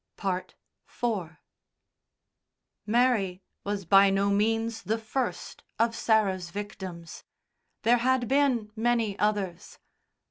IV Mary was by no means the first of Sarah's victim's. There had been many others.